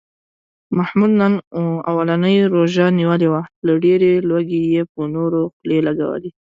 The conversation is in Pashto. محمود نن اولنۍ روژه نیولې وه، له ډېرې لوږې یې په نورو خولې لږولې.